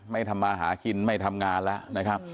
ทำมาหากินไม่ทำงานแล้วนะครับ